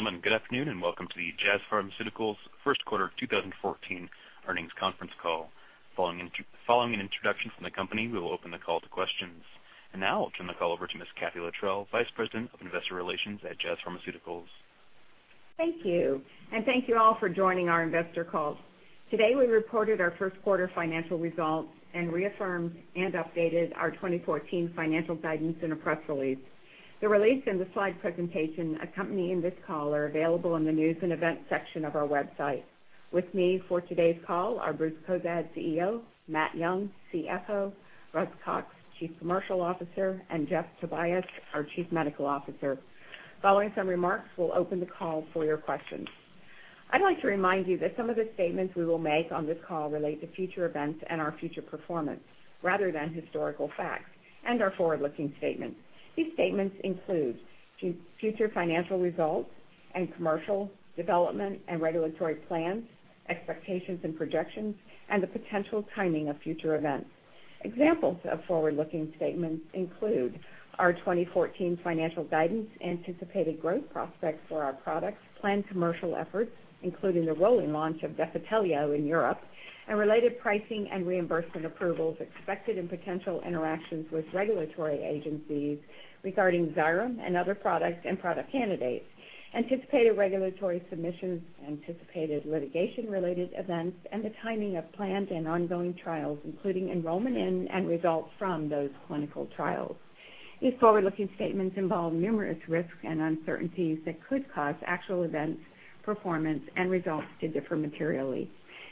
Ladies and gentlemen, good afternoon, and welcome to the Jazz Pharmaceuticals First Quarter 2014 Earnings Conference Call. Following an introduction from the company, we will open the call to questions. Now I'll turn the call over to Miss Kathee Luttrell, Vice President of Investor Relations at Jazz Pharmaceuticals. Thank you, and thank you all for joining our investor call. Today, we reported our first quarter financial results and reaffirmed and updated our 2014 financial guidance in a press release. The release and the slide presentation accompanying this call are available in the News & Events section of our website. With me for today's call are Bruce Cozadd, CEO; Matthew Young, CFO; Russell Cox, Chief Commercial Officer; and Jeffrey Tobias, our Chief Medical Officer. Following some remarks, we'll open the call for your questions. I'd like to remind you that some of the statements we will make on this call relate to future events and our future performance rather than historical facts and are forward-looking statements. These statements include future financial results and commercial development and regulatory plans, expectations and projections, and the potential timing of future events. Examples of forward-looking statements include our 2014 financial guidance, anticipated growth prospects for our products, planned commercial efforts, including the rolling launch of Defitelio in Europe, and related pricing and reimbursement approvals expected, and potential interactions with regulatory agencies regarding Xyrem and other products and product candidates. Anticipated regulatory submissions, anticipated litigation-related events, and the timing of planned and ongoing trials, including enrollment in and results from those clinical trials. These forward-looking statements involve numerous risks and uncertainties that could cause actual events, performance and results to differ materially.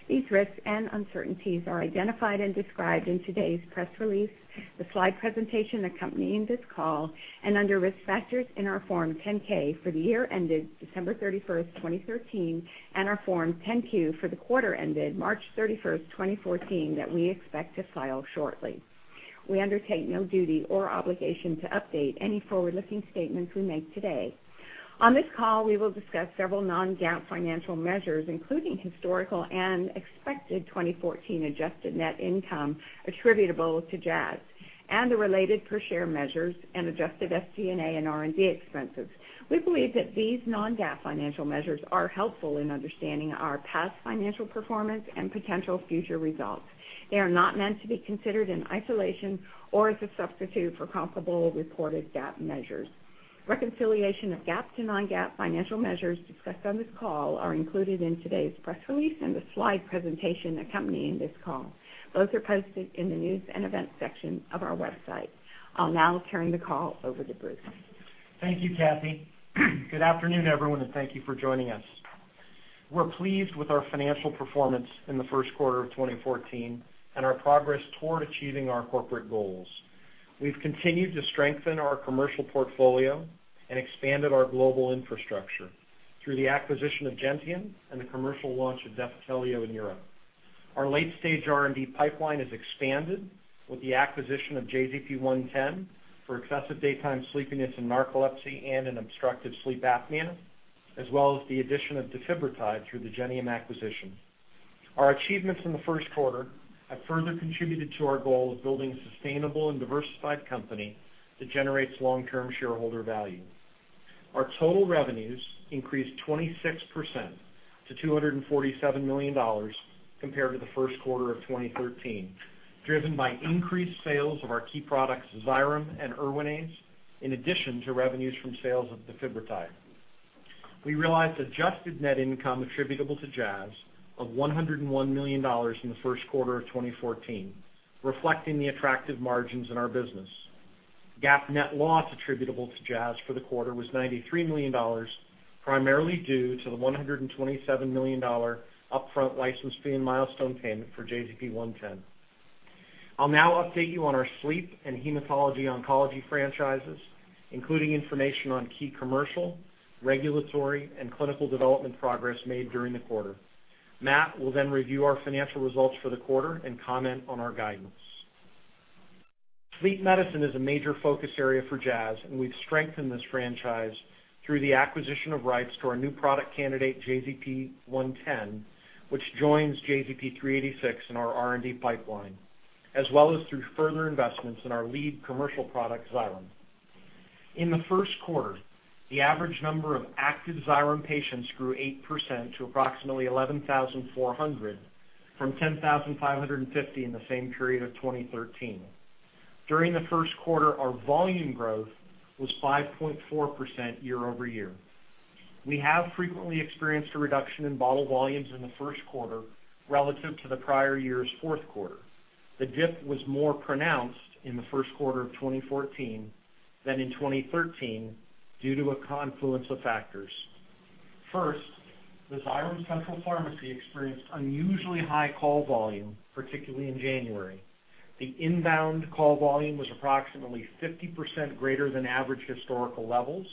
These risks and uncertainties are identified and described in today's press release, the slide presentation accompanying this call, and under Risk Factors in our Form 10-K for the year ended December 31, 2013, and our Form 10-Q for the quarter ended March 31, 2014, that we expect to file shortly. We undertake no duty or obligation to update any forward-looking statements we make today. On this call, we will discuss several non-GAAP financial measures, including historical and expected 2014 adjusted net income attributable to Jazz and the related per share measures and adjusted SG&A and R&D expenses. We believe that these non-GAAP financial measures are helpful in understanding our past financial performance and potential future results. They are not meant to be considered in isolation or as a substitute for comparable reported GAAP measures. Reconciliation of GAAP to non-GAAP financial measures discussed on this call are included in today's press release and the slide presentation accompanying this call. Both are posted in the News & Events section of our website. I'll now turn the call over to Bruce. Thank you, Kathee. Good afternoon, everyone, and thank you for joining us. We're pleased with our financial performance in the first quarter of 2014 and our progress toward achieving our corporate goals. We've continued to strengthen our commercial portfolio and expanded our global infrastructure through the acquisition of Gentium and the commercial launch of Defitelio in Europe. Our late-stage R&D pipeline has expanded with the acquisition of JZP-110 for excessive daytime sleepiness in narcolepsy and in obstructive sleep apnea, as well as the addition of defibrotide through the Gentium acquisition. Our achievements in the first quarter have further contributed to our goal of building a sustainable and diversified company that generates long-term shareholder value. Our total revenues increased 26% to $247 million compared to the first quarter of 2013, driven by increased sales of our key products, Xyrem and Erwinaze, in addition to revenues from sales of defibrotide. We realized adjusted net income attributable to Jazz of $101 million in the first quarter of 2014, reflecting the attractive margins in our business. GAAP net loss attributable to Jazz for the quarter was $93 million, primarily due to the $127 million upfront license fee and milestone payment for JZP-110. I'll now update you on our sleep and hematology/oncology franchises, including information on key commercial, regulatory, and clinical development progress made during the quarter. Matt will then review our financial results for the quarter and comment on our guidance. Sleep medicine is a major focus area for Jazz, and we've strengthened this franchise through the acquisition of rights to our new product candidate, JZP-110, which joins JZP-386 in our R&D pipeline, as well as through further investments in our lead commercial product, Xyrem. In the first quarter, the average number of active Xyrem patients grew 8% to approximately 11,400 from 10,550 in the same period of 2013. During the first quarter, our volume growth was 5.4% year over year. We have frequently experienced a reduction in bottle volumes in the first quarter relative to the prior year's fourth quarter. The dip was more pronounced in the first quarter of 2014 than in 2013 due to a confluence of factors. First, the Xyrem Central Pharmacy experienced unusually high call volume, particularly in January. The inbound call volume was approximately 50% greater than average historical levels,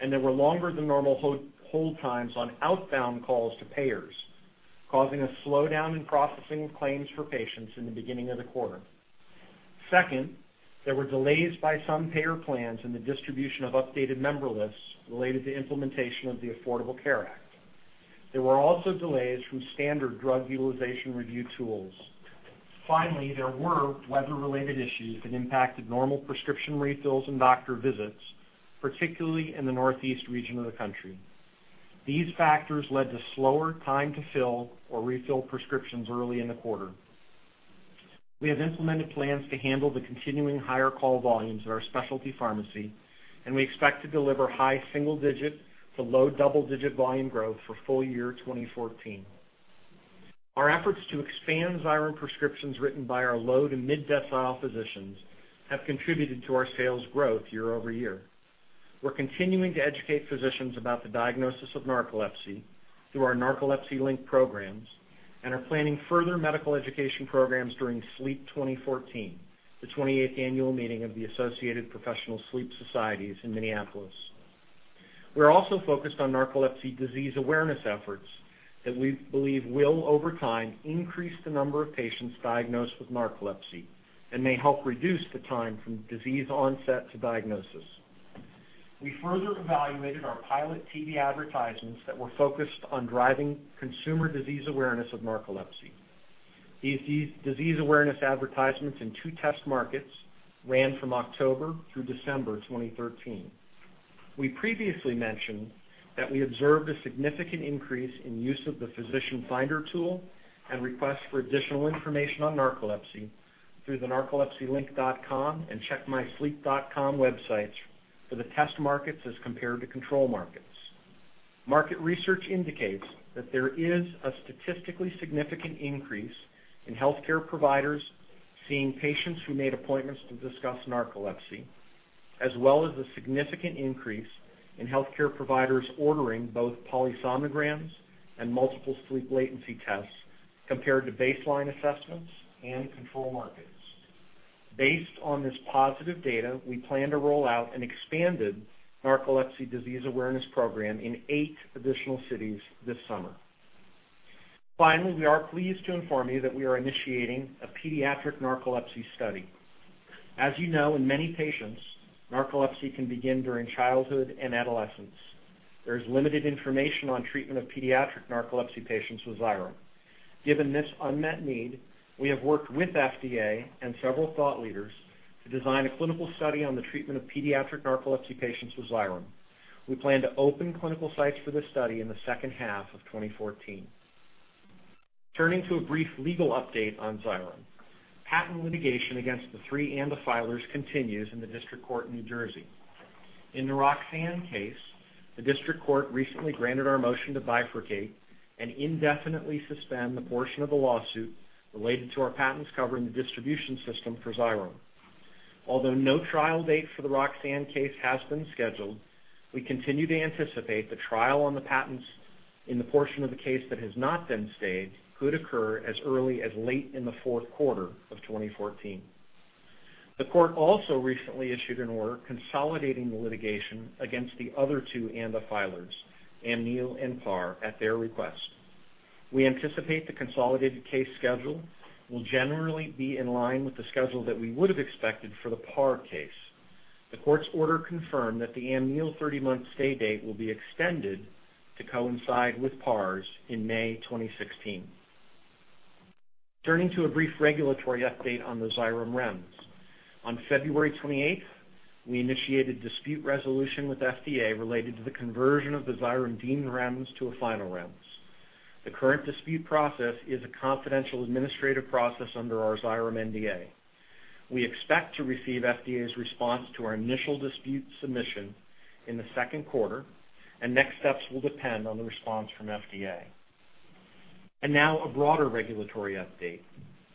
and there were longer than normal hold times on outbound calls to payers, causing a slowdown in processing claims for patients in the beginning of the quarter. Second, there were delays by some payer plans in the distribution of updated member lists related to implementation of the Affordable Care Act. There were also delays from standard Drug Utilization Review tools. Finally, there were weather-related issues that impacted normal prescription refills and doctor visits, particularly in the Northeast region of the country. These factors led to slower time to fill or refill prescriptions early in the quarter. We have implemented plans to handle the continuing higher call volumes at our specialty pharmacy, and we expect to deliver high single-digit to low double-digit volume growth for full year 2014. Our efforts to expand Xyrem prescriptions written by our low to mid-decile physicians have contributed to our sales growth year-over-year. We're continuing to educate physicians about the diagnosis of narcolepsy through our Narcolepsy Link programs and are planning further medical education programs during SLEEP 2014, the 28th annual meeting of the Associated Professional Sleep Societies in Minneapolis. We're also focused on narcolepsy disease awareness efforts that we believe will, over time, increase the number of patients diagnosed with narcolepsy and may help reduce the time from disease onset to diagnosis. We further evaluated our pilot TV advertisements that were focused on driving consumer disease awareness of narcolepsy. These disease awareness advertisements in two test markets ran from October through December 2013. We previously mentioned that we observed a significant increase in use of the physician finder tool and requests for additional information on narcolepsy through the narcolepsylink.com and checkmysleep.com websites for the test markets as compared to control markets. Market research indicates that there is a statistically significant increase in healthcare providers seeing patients who made appointments to discuss narcolepsy, as well as a significant increase in healthcare providers ordering both polysomnograms and multiple sleep latency tests compared to baseline assessments and control markets. Based on this positive data, we plan to roll out an expanded narcolepsy disease awareness program in eight additional cities this summer. Finally, we are pleased to inform you that we are initiating a pediatric narcolepsy study. As you know, in many patients, narcolepsy can begin during childhood and adolescence. There is limited information on treatment of pediatric narcolepsy patients with Xyrem. Given this unmet need, we have worked with FDA and several thought leaders to design a clinical study on the treatment of pediatric narcolepsy patients with Xyrem. We plan to open clinical sites for this study in the second half of 2014. Turning to a brief legal update on Xyrem. Patent litigation against the three ANDA filers continues in the U.S. District Court for the District of New Jersey. In the Roxane case, the District Court recently granted our motion to bifurcate and indefinitely suspend the portion of the lawsuit related to our patents covering the distribution system for Xyrem. Although no trial date for the Roxane case has been scheduled, we continue to anticipate the trial on the patents in the portion of the case that has not been stayed could occur as early as late in the fourth quarter of 2014. The Court also recently issued an order consolidating the litigation against the other two ANDA filers, Amneal and Par, at their request. We anticipate the consolidated case schedule will generally be in line with the schedule that we would have expected for the Par case. The Court's order confirmed that the Amneal 30-month stay date will be extended to coincide with Par's in May 2016. Turning to a brief regulatory update on the Xyrem REMS. On February 28, we initiated dispute resolution with FDA related to the conversion of the Xyrem deemed REMS to a final REMS. The current dispute process is a confidential administrative process under our Xyrem NDA. We expect to receive FDA's response to our initial dispute submission in the second quarter, and next steps will depend on the response from FDA. Now a broader regulatory update.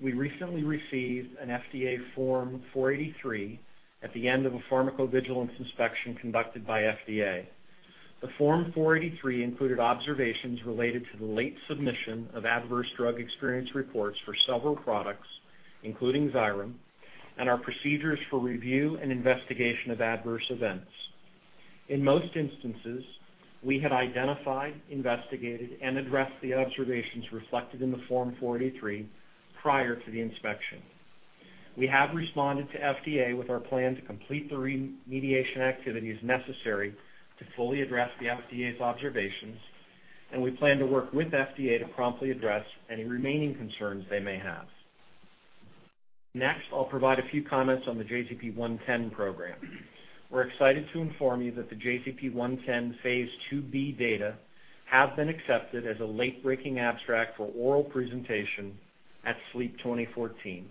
We recently received an FDA Form 483 at the end of a pharmacovigilance inspection conducted by FDA. The Form 483 included observations related to the late submission of adverse drug experience reports for several products, including Xyrem, and our procedures for review and investigation of adverse events. In most instances, we had identified, investigated, and addressed the observations reflected in the Form 483 prior to the inspection. We have responded to FDA with our plan to complete the remediation activities necessary to fully address the FDA's observations, and we plan to work with FDA to promptly address any remaining concerns they may have. Next, I'll provide a few comments on the JZP-110 program. We're excited to inform you that the JZP-110 Phase IIb data have been accepted as a late-breaking abstract for oral presentation at SLEEP 2014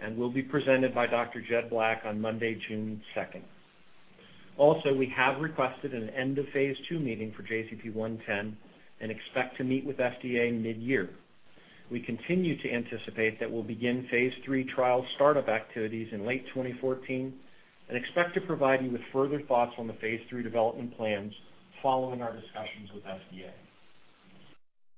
and will be presented by Dr.Jed Black on Monday, June 2nd. We have requested an end-of-Phase II meeting for JZP-110 and expect to meet with FDA mid-year. We continue to anticipate that we'll begin Phase III trial startup activities in late 2014 and expect to provide you with further thoughts on the Phase III development plans following our discussions with FDA.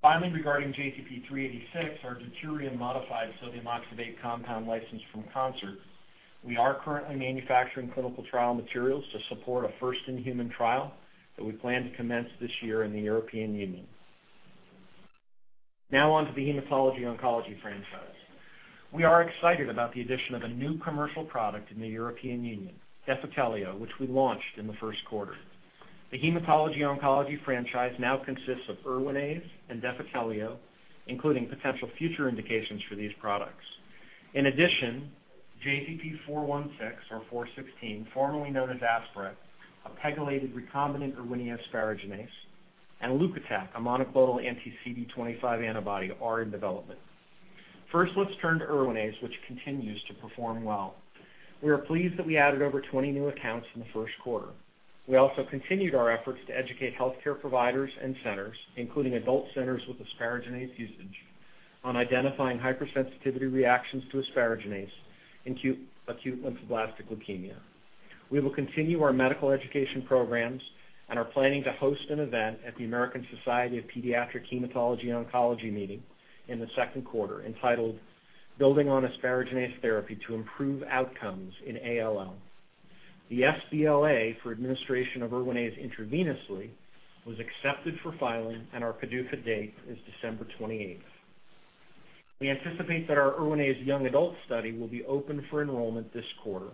Finally, regarding JZP-386, our deuterium-modified sodium oxybate compound licensed from Concert, we are currently manufacturing clinical trial materials to support a first-in-human trial that we plan to commence this year in the European Union. Now on to the Hematology/Oncology franchise. We are excited about the addition of a new commercial product in the European Union, Defitelio, which we launched in the first quarter. The Hematology Oncology franchise now consists of Erwinaze and Defitelio, including potential future indications for these products. In addition, JZP-416 or 416, formerly known as Asparec, a pegylated recombinant Erwinia asparaginase, and Lumoxiti, a monoclonal anti-CD25 antibody, are in development. First, let's turn to Erwinaze, which continues to perform well. We are pleased that we added over 20 new accounts in the first quarter. We also continued our efforts to educate healthcare providers and centers, including adult centers with asparaginase usage, on identifying hypersensitivity reactions to asparaginase in acute lymphoblastic leukemia. We will continue our medical education programs and are planning to host an event at the American Society of Pediatric Hematology/Oncology meeting in the second quarter entitled Building on Asparaginase Therapy to Improve Outcomes in ALL. The sBLA for administration of Erwinaze intravenously was accepted for filing, and our PDUFA date is December 28. We anticipate that our Erwinaze young adult study will be open for enrollment this quarter.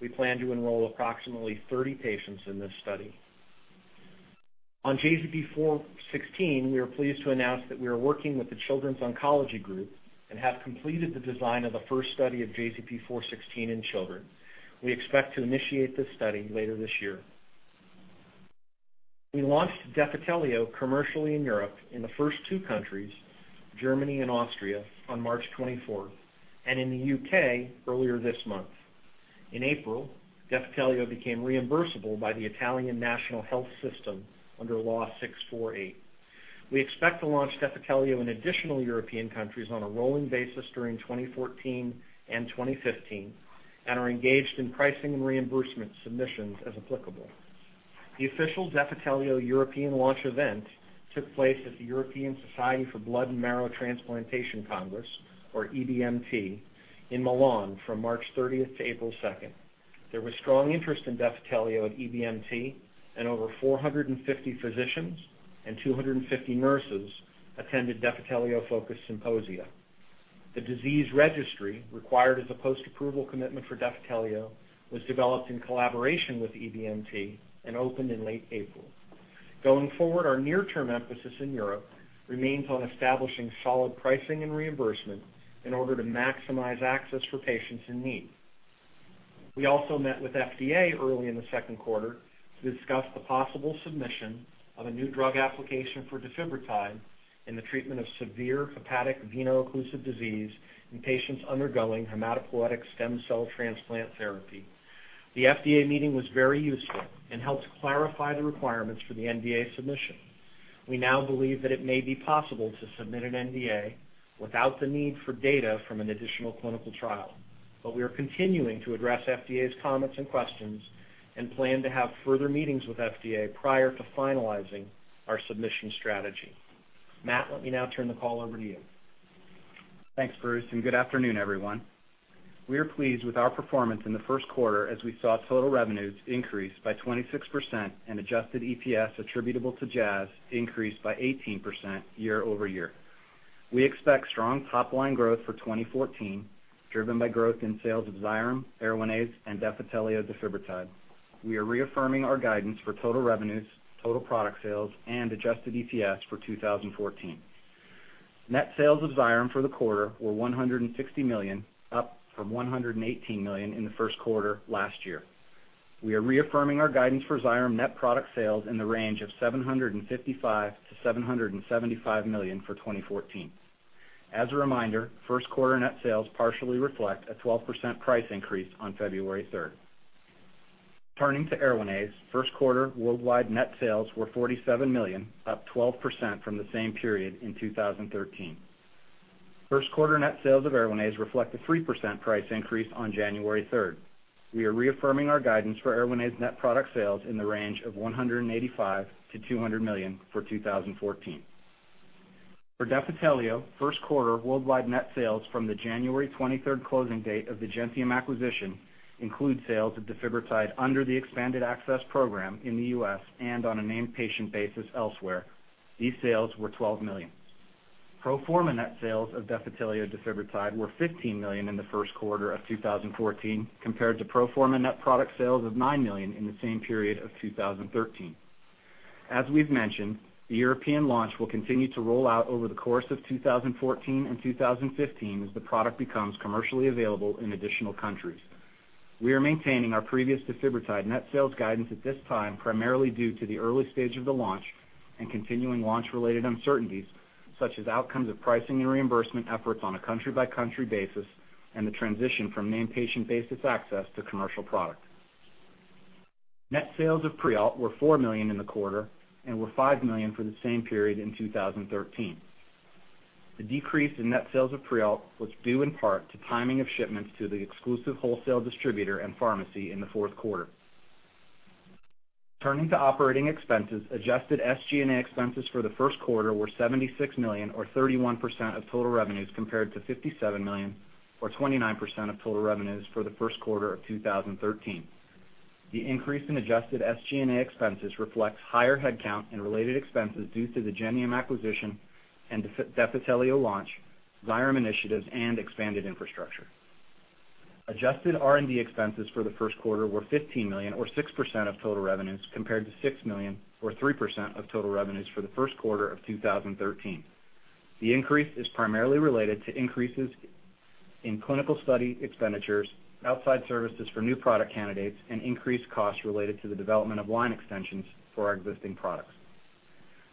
We plan to enroll approximately 30 patients in this study. On JZP-416, we are pleased to announce that we are working with the Children's Oncology Group and have completed the design of the first study of JZP-416 in children. We expect to initiate this study later this year. We launched Defitelio commercially in Europe in the first two countries, Germany and Austria, on March 24th, and in the UK earlier this month. In April, Defitelio became reimbursable by the Italian National Health System under Law 648/96. We expect to launch Defitelio in additional European countries on a rolling basis during 2014 and 2015 and are engaged in pricing and reimbursement submissions as applicable. The official Defitelio European launch event took place at the European Society for Blood and Marrow Transplantation Congress, or EBMT, in Milan from March 30 to April 2nd. There was strong interest in Defitelio at EBMT, and over 450 physicians and 250 nurses attended Defitelio-focused symposia. The disease registry required as a post-approval commitment for Defitelio was developed in collaboration with EBMT and opened in late April. Going forward, our near-term emphasis in Europe remains on establishing solid pricing and reimbursement in order to maximize access for patients in need. We also met with FDA early in the second quarter to discuss the possible submission of a new drug application for defibrotide in the treatment of severe hepatic veno-occlusive disease in patients undergoing hematopoietic stem cell transplant therapy. The FDA meeting was very useful and helped clarify the requirements for the NDA submission. We now believe that it may be possible to submit an NDA without the need for data from an additional clinical trial, but we are continuing to address FDA's comments and questions and plan to have further meetings with FDA prior to finalizing our submission strategy. Matt, let me now turn the call over to you. Thanks, Bruce, and good afternoon, everyone. We are pleased with our performance in the first quarter as we saw total revenues increase by 26% and adjusted EPS attributable to Jazz increase by 18% year-over-year. We expect strong top line growth for 2014, driven by growth in sales of Xyrem, Erwinaze, and Defitelio defibrotide. We are reaffirming our guidance for total revenues, total product sales, and adjusted EPS for 2014. Net sales of Xyrem for the quarter were $160 million, up from $118 million in the first quarter last year. We are reaffirming our guidance for Xyrem net product sales in the range of $755 million-$775 million for 2014. As a reminder, first quarter net sales partially reflect a 12% price increase on February 3rd. Turning to Erwinaze, first quarter worldwide net sales were $47 million, up 12% from the same period in 2013. First quarter net sales of Erwinaze reflect a 3% price increase on January 3rd. We are reaffirming our guidance for Erwinaze net product sales in the range of $185-$200 million for 2014. For Defitelio, first quarter worldwide net sales from the January 23 closing date of the Gentium acquisition include sales of defibrotide under the Expanded Access Program in the U.S. and on a named-patient basis elsewhere. These sales were $12 million. Pro forma net sales of Defitelio defibrotide were $15 million in the first quarter of 2014 compared to pro forma net product sales of $9 million in the same period of 2013. As we've mentioned, the European launch will continue to roll out over the course of 2014 and 2015 as the product becomes commercially available in additional countries. We are maintaining our previous defibrotide net sales guidance at this time, primarily due to the early stage of the launch and continuing launch-related uncertainties, such as outcomes of pricing and reimbursement efforts on a country-by-country basis and the transition from named-patient basis access to commercial product. Net sales of Prialt were $4 million in the quarter and were $5 million for the same period in 2013. The decrease in net sales of Prialt was due in part to timing of shipments to the exclusive wholesale distributor and pharmacy in the fourth quarter. Turning to operating expenses, adjusted SG&A expenses for the first quarter were $76 million or 31% of total revenues compared to $57 million or 29% of total revenues for the first quarter of 2013. The increase in adjusted SG&A expenses reflects higher headcount and related expenses due to the Gentium acquisition and Defitelio launch, Xyrem initiatives and expanded infrastructure. Adjusted R&D expenses for the first quarter were $15 million or 6% of total revenues compared to $6 million or 3% of total revenues for the first quarter of 2013. The increase is primarily related to increases in clinical study expenditures, outside services for new product candidates and increased costs related to the development of line extensions for our existing products.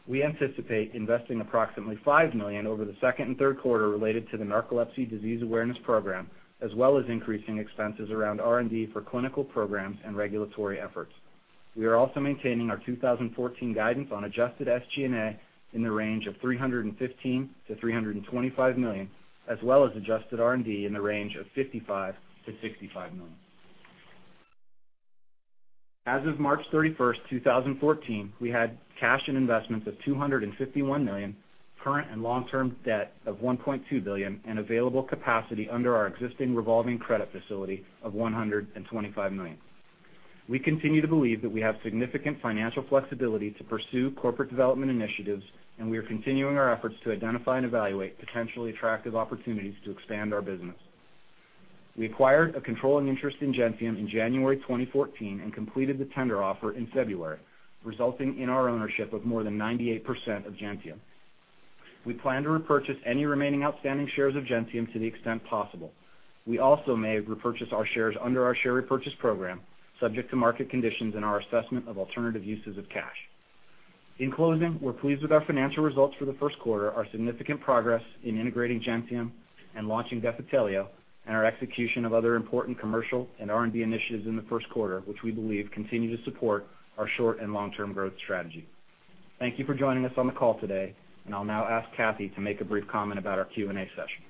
We anticipate investing approximately $5 million over the second and third quarter related to the narcolepsy disease awareness program, as well as increasing expenses around R&D for clinical programs and regulatory efforts. We are also maintaining our 2014 guidance on adjusted SG&A in the range of $315 million-$325 million, as well as adjusted R&D in the range of $55 million-$65 million. As of March 31, 2014, we had cash and investments of $251 million, current and long-term debt of $1.2 billion and available capacity under our existing revolving credit facility of $125 million. We continue to believe that we have significant financial flexibility to pursue corporate development initiatives, and we are continuing our efforts to identify and evaluate potentially attractive opportunities to expand our business. We acquired a controlling interest in Gentium in January 2014 and completed the tender offer in February 2014, resulting in our ownership of more than 98% of Gentium. We plan to repurchase any remaining outstanding shares of Gentium to the extent possible. We also may repurchase our shares under our share repurchase program subject to market conditions and our assessment of alternative uses of cash. In closing, we're pleased with our financial results for the first quarter, our significant progress in integrating Gentium and launching Defitelio and our execution of other important commercial and R&D initiatives in the first quarter, which we believe continue to support our short- and long-term growth strategy. Thank you for joining us on the call today, and I'll now ask Kathee to make a brief comment about our Q&A session.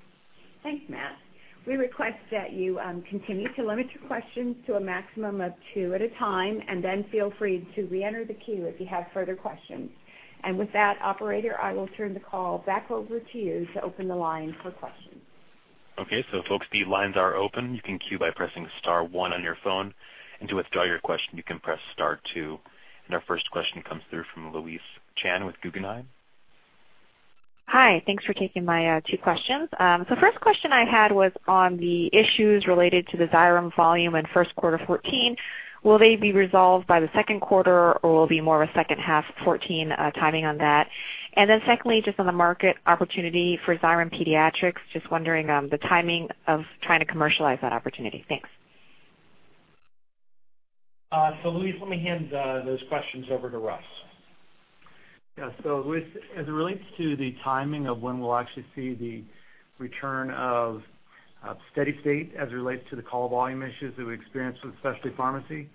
Thanks, Matt. We request that you continue to limit your questions to a maximum of two at a time and then feel free to reenter the queue if you have further questions. With that operator, I will turn the call back over to you to open the line for questions. Okay. Folks, the lines are open. You can queue by pressing star one on your phone and to withdraw your question you can press star two. Our first question comes through from Louise Chen with Guggenheim. Hi. Thanks for taking my two questions. First question I had was on the issues related to the Xyrem volume in first quarter 2014. Will they be resolved by the second quarter or will be more of a second half 2014 timing on that? Secondly, just on the market opportunity for Xyrem Pediatrics, just wondering the timing of trying to commercialize that opportunity. Thanks. Louise, let me hand those questions over to Russ. Yeah. As it relates to the timing of when we'll actually see the return of steady state as it relates to the call volume issues that we experienced with specialty pharmacy,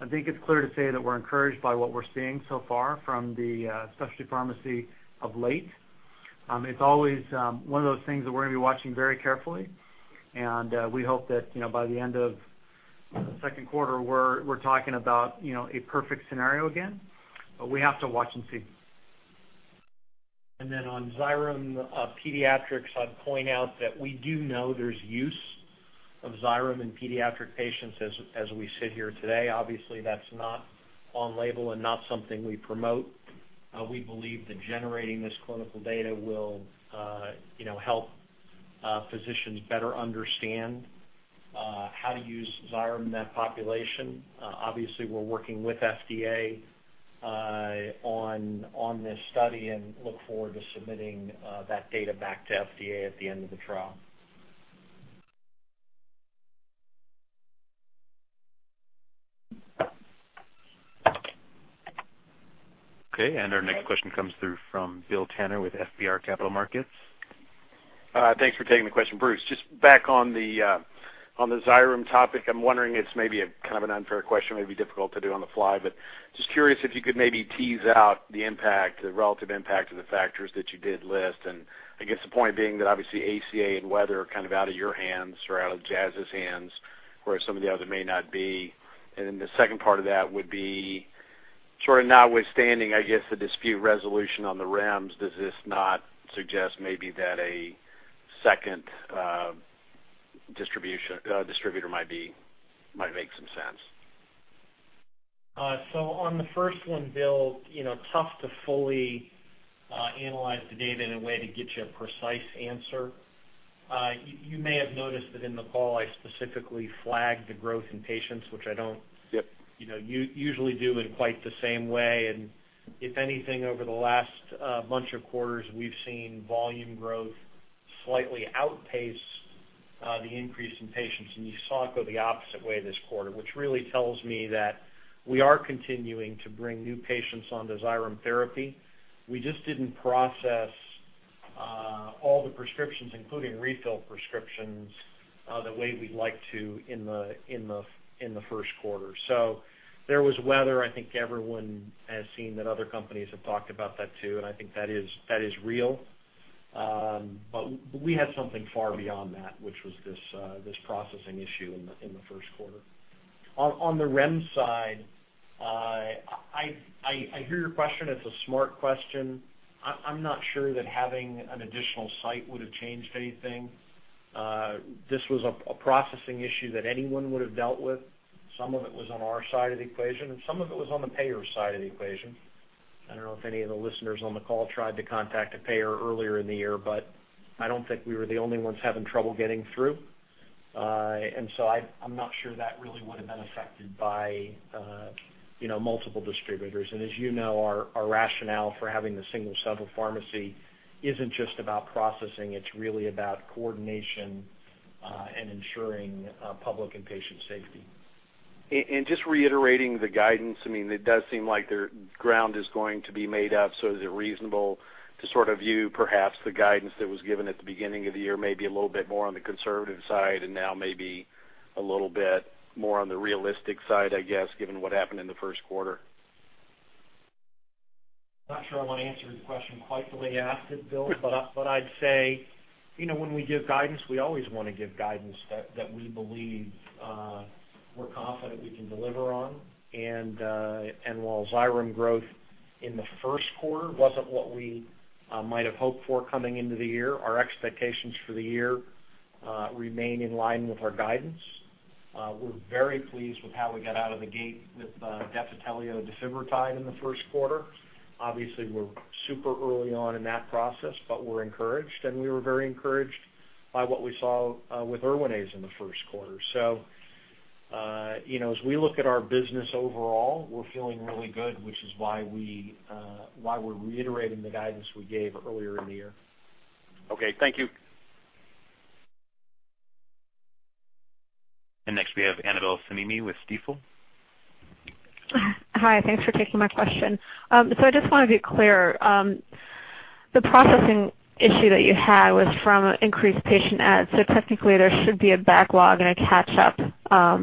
I think it's clear to say that we're encouraged by what we're seeing so far from the specialty pharmacy of late. It's always one of those things that we're gonna be watching very carefully. We hope that, you know, by the end of the second quarter we're talking about, you know, a perfect scenario again, but we have to watch and see. On Xyrem, Pediatrics, I'd point out that we do know there's use of Xyrem in pediatric patients as we sit here today. Obviously that's not on label and not something we promote. We believe that generating this clinical data will, you know, help physicians better understand how to use Xyrem in that population. Obviously we're working with FDA on this study and look forward to submitting that data back to FDA at the end of the trial. Okay. Our next question comes through from Bill Tanner with FBR Capital Markets. Thanks for taking the question. Bruce, just back on the Xyrem topic, I'm wondering it's maybe a kind of an unfair question, maybe difficult to do on the fly, but just curious if you could maybe tease out the impact, the relative impact of the factors that you did list. I guess the point being that obviously ACA and weather are kind of out of your hands or out of Jazz's hands, whereas some of the others may not be. The second part of that would be sort of notwithstanding, I guess, the dispute resolution on the REMS, does this not suggest maybe that a second distributor might make some sense? On the first one, Bill, you know, tough to fully analyze the data in a way to get you a precise answer. You may have noticed that in the call I specifically flagged the growth in patients, which I don't- Yep. You know, we usually do in quite the same way. If anything, over the last bunch of quarters, we've seen volume growth slightly outpace the increase in patients. You saw it go the opposite way this quarter, which really tells me that we are continuing to bring new patients onto Xyrem therapy. We just didn't process all the prescriptions, including refill prescriptions, the way we'd like to in the first quarter. There was weather. I think everyone has seen that other companies have talked about that too, and I think that is real. We had something far beyond that, which was this processing issue in the first quarter. On the REMS side. I hear your question, it's a smart question. I'm not sure that having an additional site would have changed anything. This was a processing issue that anyone would have dealt with. Some of it was on our side of the equation, and some of it was on the payer side of the equation. I don't know if any of the listeners on the call tried to contact a payer earlier in the year, but I don't think we were the only ones having trouble getting through. I'm not sure that really would have been affected by, you know, multiple distributors. As you know, our rationale for having the single central pharmacy isn't just about processing, it's really about coordination, and ensuring public and patient safety. Just reiterating the guidance, I mean, it does seem like their ground is going to be made up, so is it reasonable to sort of view perhaps the guidance that was given at the beginning of the year, maybe a little bit more on the conservative side and now maybe a little bit more on the realistic side, I guess, given what happened in the first quarter? Not sure I wanna answer your question quite the way you asked it, Bill. I'd say, you know, when we give guidance, we always wanna give guidance that we believe we're confident we can deliver on. While Xyrem growth in the first quarter wasn't what we might have hoped for coming into the year, our expectations for the year remain in line with our guidance. We're very pleased with how we got out of the gate with Defitelio defibrotide in the first quarter. Obviously, we're super early on in that process, but we're encouraged, and we were very encouraged by what we saw with Erwinaze in the first quarter. you know, as we look at our business overall, we're feeling really good, which is why we're reiterating the guidance we gave earlier in the year. Okay. Thank you. Next, we have Annabel Samimy with Stifel. Hi. Thanks for taking my question. I just wanna be clear. The processing issue that you had was from increased patient ads, so technically there should be a backlog and a catch up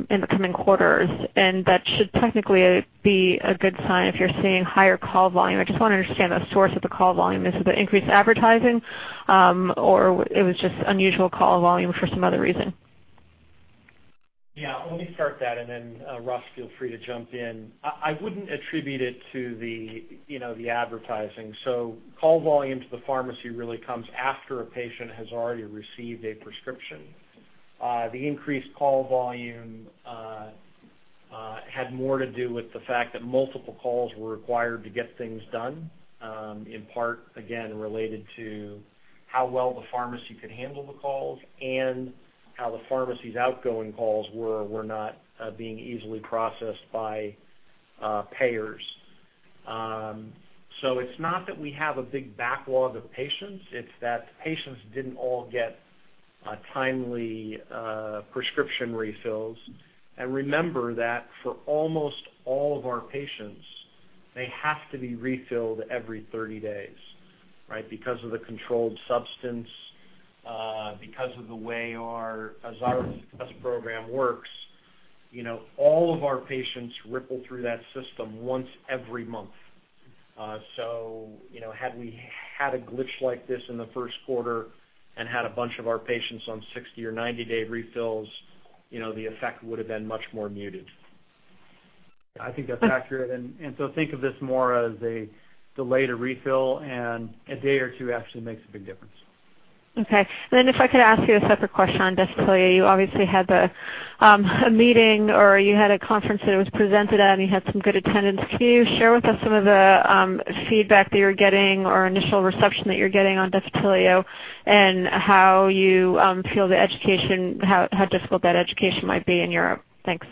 in the coming quarters, and that should technically be a good sign if you're seeing higher call volume. I just wanna understand the source of the call volume. Is it the increased advertising, or it was just unusual call volume for some other reason? Yeah. Let me start that, and then, Russ, feel free to jump in. I wouldn't attribute it to the advertising. Call volume to the pharmacy really comes after a patient has already received a prescription. The increased call volume had more to do with the fact that multiple calls were required to get things done, in part, again, related to how well the pharmacy could handle the calls and how the pharmacy's outgoing calls were not being easily processed by payers. It's not that we have a big backlog of patients, it's that patients didn't all get timely prescription refills. Remember that for almost all of our patients, they have to be refilled every 30 days, right? Because of the controlled substance, because of the way our Xyrem Success Program works, you know, all of our patients ripple through that system once every month. You know, had we had a glitch like this in the first quarter and had a bunch of our patients on 60- or 90-day refills, you know, the effect would have been much more muted. I think that's accurate. Think of this more as a delayed refill, and a day or two actually makes a big difference. Okay. If I could ask you a separate question on Defitelio. You obviously had the a meeting or you had a conference that it was presented at, and you had some good attendance. Can you share with us some of the feedback that you're getting or initial reception that you're getting on Defitelio and how you feel the education, how difficult that education might be in Europe? Thanks.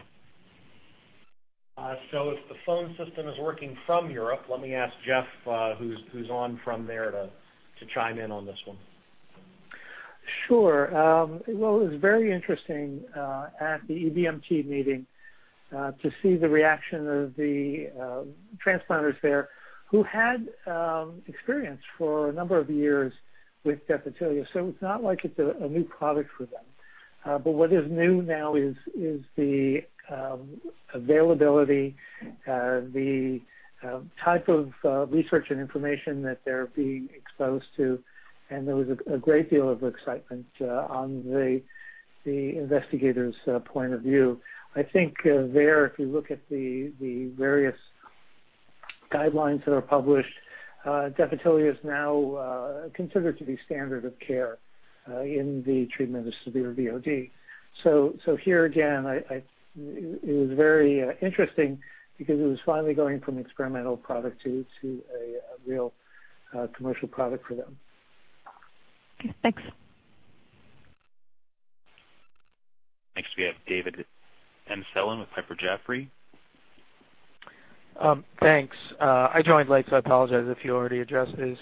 If the phone system is working from Europe, let me ask Jeff, who's on from there to chime in on this one. Sure. Well, it was very interesting at the EBMT meeting to see the reaction of the transplanters there who had experience for a number of years with Defitelio, so it's not like it's a new product for them. But what is new now is the availability, the type of research and information that they're being exposed to, and there was a great deal of excitement on the investigators' point of view. I think there, if you look at the various guidelines that are published, Defitelio is now considered to be standard of care in the treatment of severe VOD. Here again, it was very interesting because it was finally going from experimental product to a real commercial product for them. Okay. Thanks. Next, we have David Amsellem with Piper Jaffray. Thanks. I joined late, so I apologize if you already addressed this.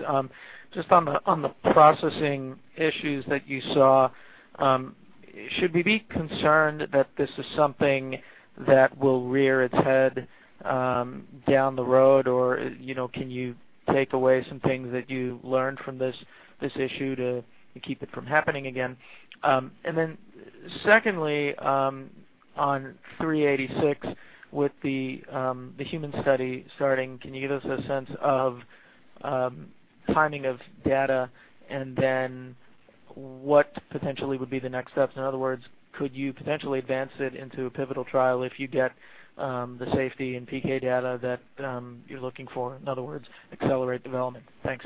Just on the processing issues that you saw, should we be concerned that this is something that will rear its head down the road? Or, you know, can you take away some things that you learned from this issue to keep it from happening again? Secondly, on JZP-386, with the human study starting, can you give us a sense of timing of data and then What potentially would be the next steps? In other words, could you potentially advance it into a pivotal trial if you get the safety and PK data that you're looking for? In other words, accelerate development. Thanks.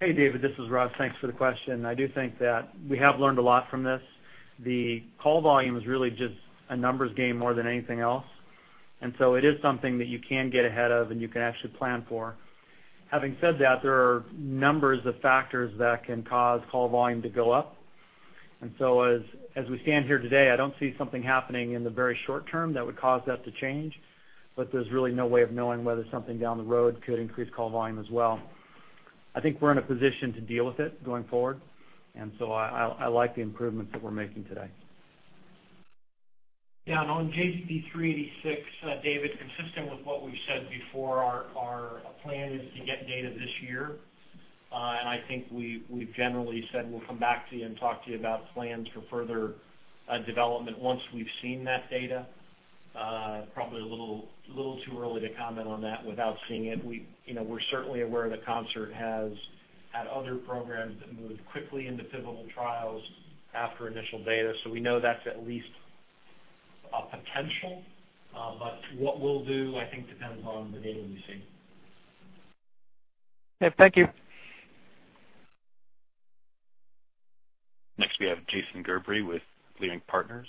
Hey, David, this is Russ. Thanks for the question. I do think that we have learned a lot from this. The call volume is really just a numbers game more than anything else, and so it is something that you can get ahead of and you can actually plan for. Having said that, there are numbers of factors that can cause call volume to go up. As we stand here today, I don't see something happening in the very short term that would cause that to change, but there's really no way of knowing whether something down the road could increase call volume as well. I think we're in a position to deal with it going forward, and so I like the improvements that we're making today. Yeah, on JZP-386, David, consistent with what we've said before, our plan is to get data this year. I think we've generally said we'll come back to you and talk to you about plans for further development once we've seen that data. Probably a little too early to comment on that without seeing it. You know, we're certainly aware that Concert has had other programs that moved quickly into pivotal trials after initial data, so we know that's at least a potential. What we'll do, I think, depends on the data we see. Okay, thank you. Next we have Jason Gerberry with Leerink Partners.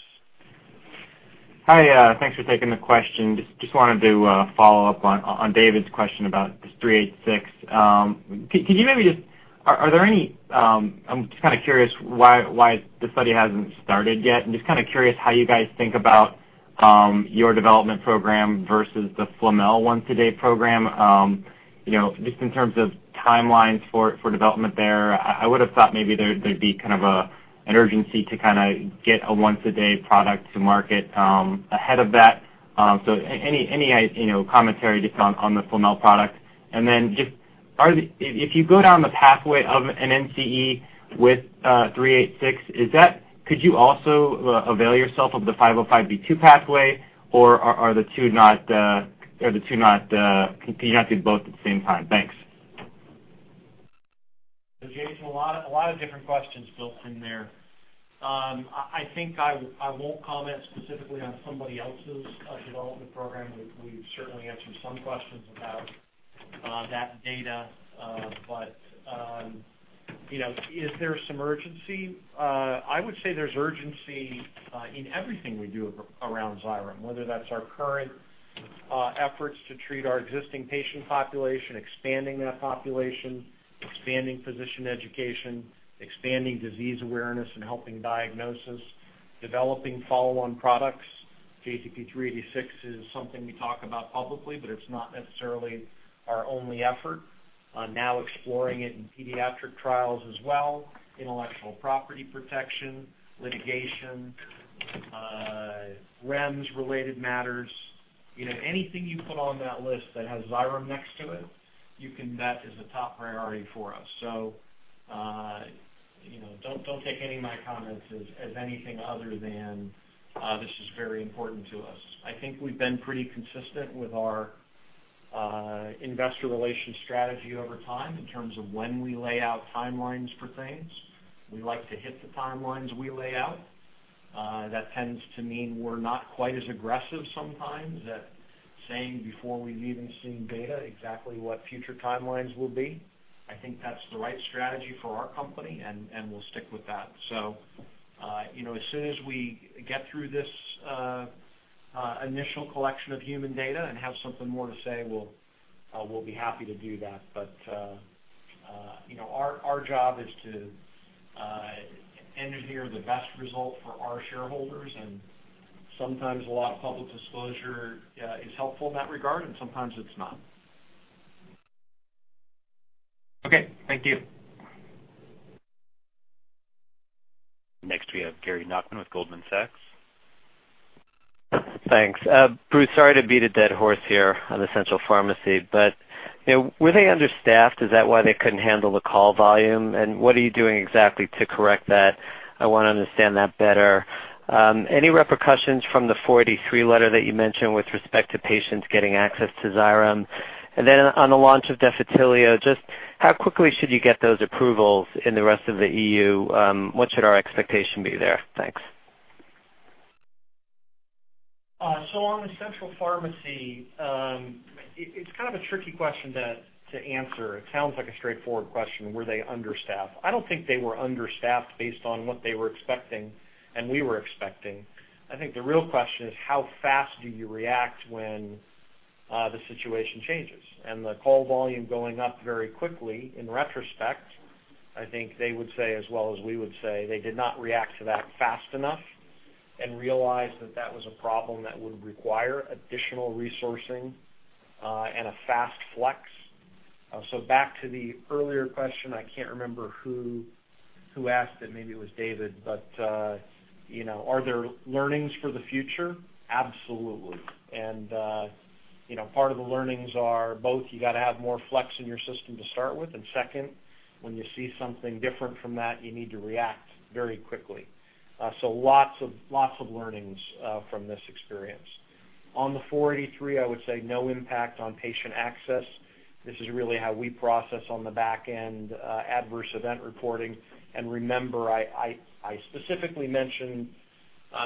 Hi, thanks for taking the question. Just wanted to follow up on David's question about JZP-386. Could you maybe just are there any. I'm just kinda curious why the study hasn't started yet and just kinda curious how you guys think about your development program versus the Flamel once-a-day program. You know, just in terms of timelines for development there, I would've thought maybe there'd be kind of an urgency to kinda get a once-a-day product to market ahead of that. So any commentary just on the Flamel product. Then just are the If you go down the pathway of an NCE with JZP-386, could you also avail yourself of the 505(b)(2) pathway, or are the two not, can you not do both at the same time? Thanks. Jason, a lot of different questions built in there. I think I won't comment specifically on somebody else's development program. We've certainly answered some questions about that data. You know, is there some urgency? I would say there's urgency in everything we do around Xyrem, whether that's our current efforts to treat our existing patient population, expanding that population, expanding physician education, expanding disease awareness and helping diagnosis, developing follow-on products. JZP-386 is something we talk about publicly, but it's not necessarily our only effort. Now exploring it in pediatric trials as well, intellectual property protection, litigation, REMS-related matters. You know, anything you put on that list that has Xyrem next to it, you can bet is a top priority for us. You know, don't take any of my comments as anything other than this is very important to us. I think we've been pretty consistent with our investor relations strategy over time in terms of when we lay out timelines for things. We like to hit the timelines we lay out. That tends to mean we're not quite as aggressive sometimes at saying before we've even seen data exactly what future timelines will be. I think that's the right strategy for our company, and we'll stick with that. You know, as soon as we get through this initial collection of human data and have something more to say, we'll be happy to do that. you know, our job is to engineer the best result for our shareholders, and sometimes a lot of public disclosure is helpful in that regard, and sometimes it's not. Okay. Thank you. Next we have Gary Nachman with Goldman Sachs. Thanks. Bruce, sorry to beat a dead horse here on the central pharmacy, but, you know, were they understaffed? Is that why they couldn't handle the call volume? What are you doing exactly to correct that? I wanna understand that better. Any repercussions from the 43 letter that you mentioned with respect to patients getting access to Xyrem? Then on the launch of Defitelio, just how quickly should you get those approvals in the rest of the EU? What should our expectation be there? Thanks. On the central pharmacy, it's kind of a tricky question to answer. It sounds like a straightforward question, were they understaffed? I don't think they were understaffed based on what they were expecting and we were expecting. I think the real question is how fast do you react when the situation changes. The call volume going up very quickly, in retrospect, I think they would say as well as we would say, they did not react to that fast enough and realized that that was a problem that would require additional resourcing and a fast flex. Back to the earlier question, I can't remember who asked it, maybe it was David, but you know, are there learnings for the future? Absolutely. You know, part of the learnings are both, you gotta have more flex in your system to start with. Second, when you see something different from that, you need to react very quickly. Lots of learnings from this experience. On the Form 483, I would say no impact on patient access. This is really how we process on the back end, adverse event reporting. Remember, I specifically mentioned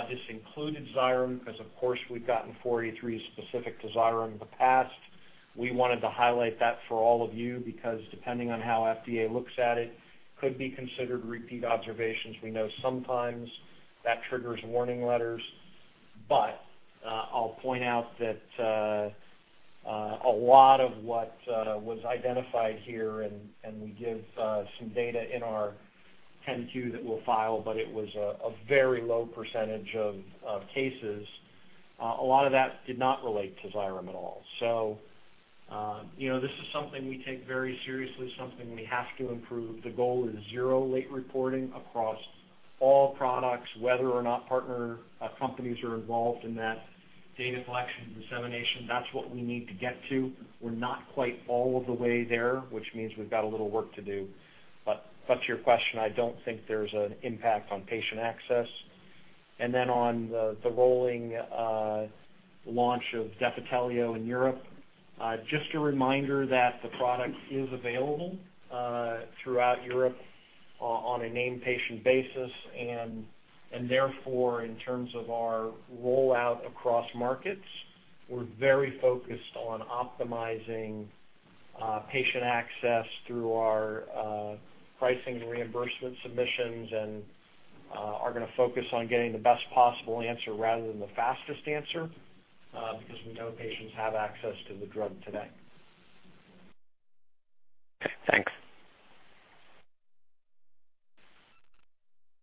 this included Xyrem because of course we've gotten Form 483 specific to Xyrem in the past. We wanted to highlight that for all of you because depending on how FDA looks at it, could be considered repeat observations. We know sometimes that triggers warning letters. I'll point out that a lot of what was identified here, and we give some data in our 10-Q that we'll file, but it was a very low percentage of cases. A lot of that did not relate to Xyrem at all. You know, this is something we take very seriously, something we have to improve. The goal is zero late reporting across all products, whether or not partner companies are involved in that data collection dissemination. That's what we need to get to. We're not quite all of the way there, which means we've got a little work to do. To your question, I don't think there's an impact on patient access. On the rolling launch of Defitelio in Europe, just a reminder that the product is available throughout Europe on a named patient basis. Therefore, in terms of our rollout across markets, we're very focused on optimizing patient access through our pricing and reimbursement submissions, and are gonna focus on getting the best possible answer rather than the fastest answer, because we know patients have access to the drug today. Okay. Thanks.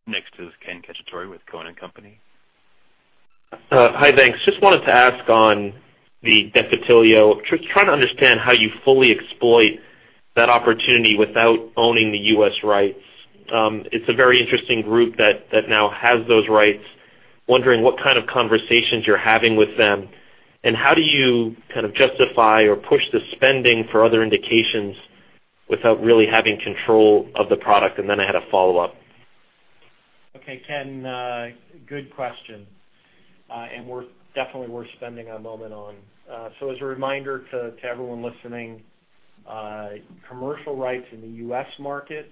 Next is Ken Cacciatore with Cowen and Company. Hi. Thanks. Just wanted to ask on the Defitelio. Just trying to understand how you fully exploit that opportunity without owning the U.S. rights. It's a very interesting group that now has those rights. Wondering what kind of conversations you're having with them, and how do you kind of justify or push the spending for other indications without really having control of the product? Then I had a follow-up. Okay. Ken, good question, and definitely worth spending a moment on. As a reminder to everyone listening, commercial rights in the U.S. market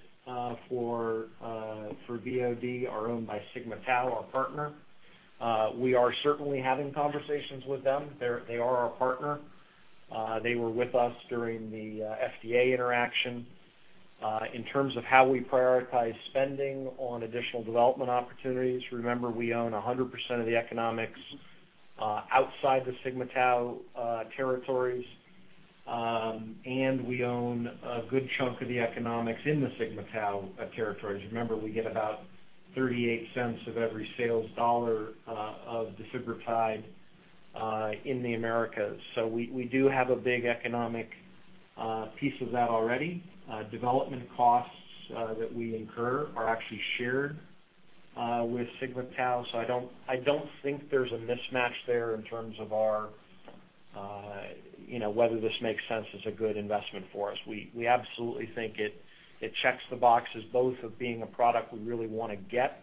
for VOD are owned by Sigma-Tau, our partner. We are certainly having conversations with them. They are our partner. They were with us during the FDA interaction. In terms of how we prioritize spending on additional development opportunities, remember, we own 100% of the economics outside the Sigma-Tau territories, and we own a good chunk of the economics in the Sigma-Tau territories. Remember, we get about $0.38 of every sales dollar of defibrotide in the Americas. We do have a big economic piece of that already. Development costs that we incur are actually shared with Sigma-Tau, so I don't think there's a mismatch there in terms of our, you know, whether this makes sense as a good investment for us. We absolutely think it checks the boxes both of being a product we really wanna get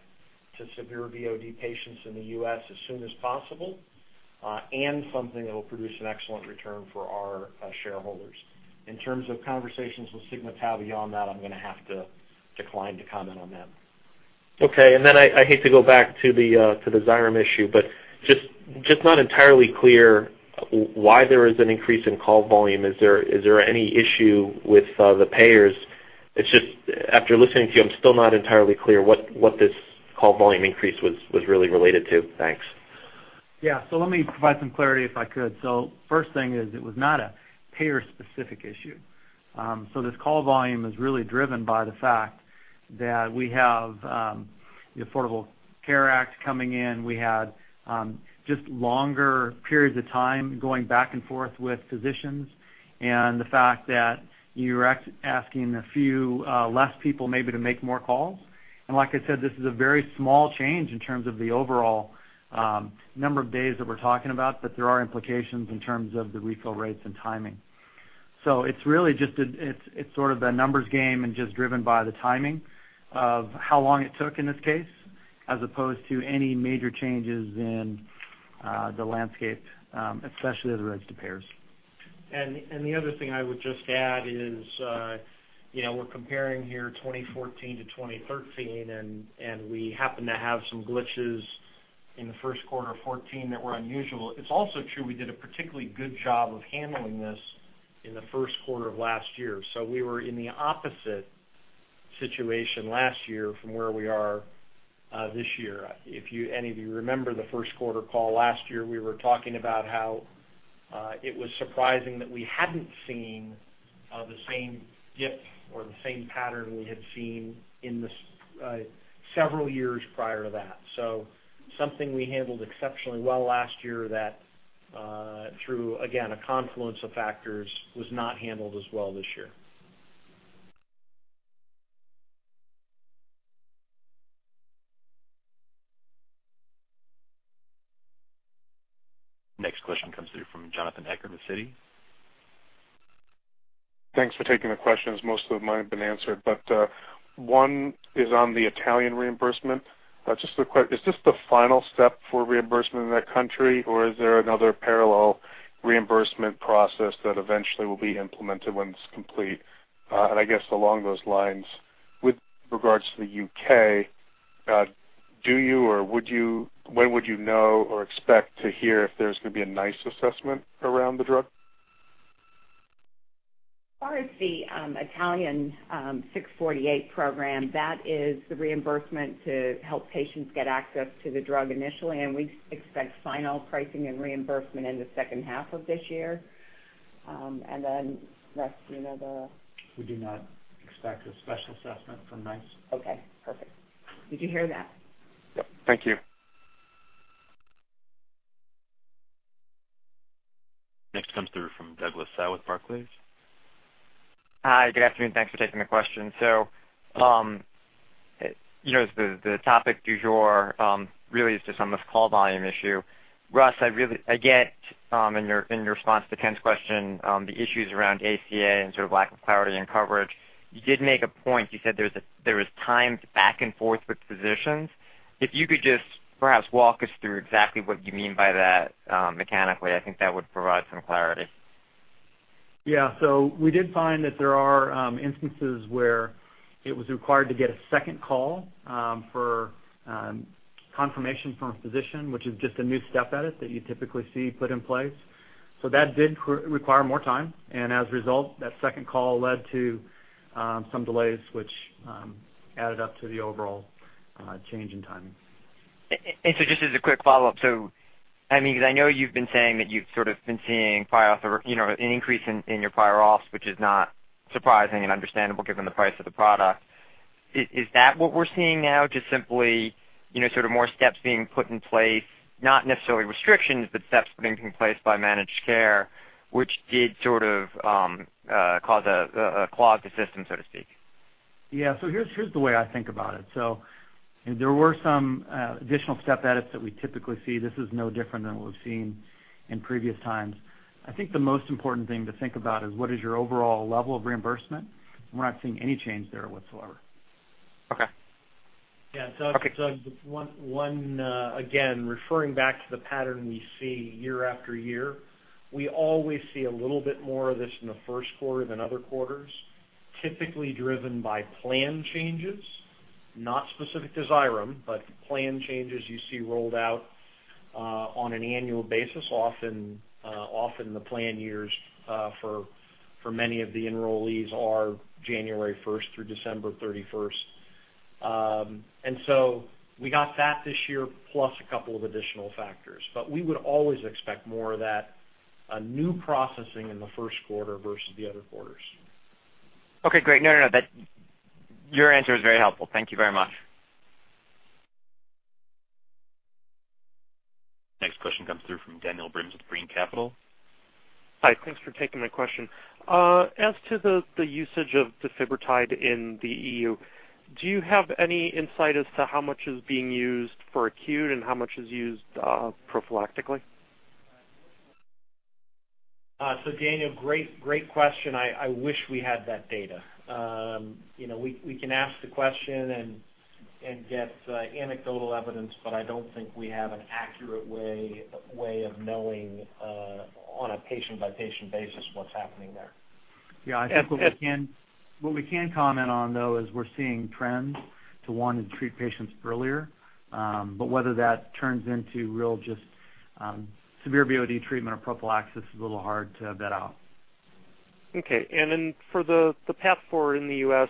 to severe VOD patients in the U.S. as soon as possible, and something that will produce an excellent return for our shareholders. In terms of conversations with Sigma-Tau beyond that, I'm gonna have to decline to comment on them. Okay. I hate to go back to the Xyrem issue, but just not entirely clear why there is an increase in call volume. Is there any issue with the payers? It's just after listening to you, I'm still not entirely clear what this call volume increase was really related to. Thanks. Yeah. Let me provide some clarity if I could. First thing is it was not a payer-specific issue. This call volume is really driven by the fact that we have the Affordable Care Act coming in. We had just longer periods of time going back and forth with physicians and the fact that you're asking a few less people maybe to make more calls. Like I said, this is a very small change in terms of the overall number of days that we're talking about, but there are implications in terms of the refill rates and timing. It's really just a numbers game and just driven by the timing of how long it took in this case as opposed to any major changes in the landscape, especially as it relates to payers. The other thing I would just add is, you know, we're comparing here 2014 to 2013, and we happen to have some glitches in the first quarter of 2014 that were unusual. It's also true we did a particularly good job of handling this in the first quarter of last year. We were in the opposite situation last year from where we are this year. If any of you remember the first quarter call last year, we were talking about how it was surprising that we hadn't seen the same dip or the same pattern we had seen in the several years prior to that. Something we handled exceptionally well last year that, through, again, a confluence of factors was not handled as well this year. Next question comes through from Jonathan Eckert with Citi. Thanks for taking the questions. Most of mine have been answered, but one is on the Italian reimbursement. Is this the final step for reimbursement in that country, or is there another parallel reimbursement process that eventually will be implemented when it's complete? I guess along those lines, with regards to the U.K., when would you know or expect to hear if there's gonna be a NICE assessment around the drug? As far as the Italian Law 648/96 program, that is the reimbursement to help patients get access to the drug initially, and we expect final pricing and reimbursement in the second half of this year. Bruce, do you know the- We do not expect a special assessment from NICE. Okay. Perfect. Did you hear that? Yep. Thank you. Next comes through from Douglas Tsao with Barclays. Hi. Good afternoon. Thanks for taking the question. You know, the topic du jour really is just on this call volume issue. Bruce, I get in your response to Ken's question the issues around ACA and sort of lack of clarity and coverage. You did make a point. You said there are times back and forth with physicians. If you could just perhaps walk us through exactly what you mean by that mechanically, I think that would provide some clarity. Yeah. We did find that there are instances where it was required to get a second call for confirmation from a physician, which is just a new step added to it that you typically see put in place. That did require more time, and as a result, that second call led to some delays which added up to the overall change in timing. Just as a quick follow-up, so, I mean, because I know you've been saying that you've sort of been seeing prior authorization or, you know, an increase in your prior auth's, which is not surprising and understandable given the price of the product. Is that what we're seeing now just simply, you know, sort of more steps being put in place, not necessarily restrictions, but steps being put in place by managed care, which did sort of cause a clog in the system, so to speak? Yeah. Here's the way I think about it. There were some additional step edits that we typically see. This is no different than what we've seen in previous times. I think the most important thing to think about is what is your overall level of reimbursement? We're not seeing any change there whatsoever. Okay. Yeah. Douglas, again, referring back to the pattern we see year after year, we always see a little bit more of this in the first quarter than other quarters, typically driven by plan changes, not specific to Xyrem, but plan changes you see rolled out on an annual basis. Often the plan years for many of the enrollees are January first through December thirty-first. We got that this year plus a couple of additional factors. We would always expect more of that, new processing in the first quarter versus the other quarters. Okay, great. No, no. Your answer is very helpful. Thank you very much. Next question comes through from Daniel Brims with Brean Capital. Hi. Thanks for taking my question. As to the usage of defibrotide in the EU, do you have any insight as to how much is being used for acute and how much is used prophylactically? Daniel, great question. I wish we had that data. You know, we can ask the question and get anecdotal evidence, but I don't think we have an accurate way of knowing on a patient by patient basis what's happening there. Yeah. I think what we can comment on though is we're seeing trends to wanting to treat patients earlier. Whether that turns into really just severe VOD treatment or prophylaxis is a little hard to vet out. Okay. For the path forward in the U.S.,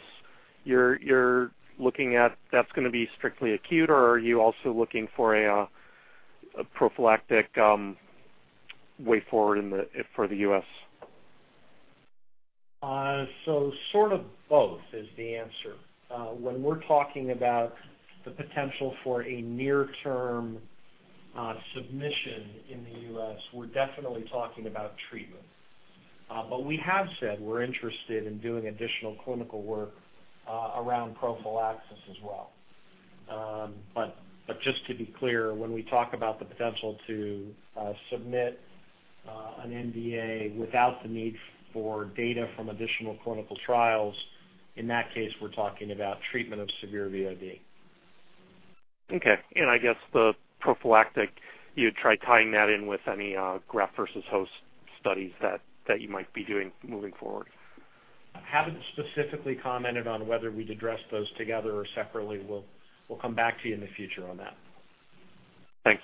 you're looking at that's gonna be strictly acute, or are you also looking for a prophylactic way forward for the U.S.? Sort of both is the answer. When we're talking about the potential for a near-term submission in the U.S., we're definitely talking about treatment. We have said we're interested in doing additional clinical work around prophylaxis as well. Just to be clear, when we talk about the potential to submit an NDA without the need for data from additional clinical trials, in that case, we're talking about treatment of severe VOD. Okay. I guess the prophylactic, you'd try tying that in with any graft-versus-host studies that you might be doing moving forward. Haven't specifically commented on whether we'd address those together or separately. We'll come back to you in the future on that. Thanks.